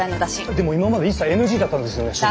でも今まで一切ＮＧだったんですよね取材。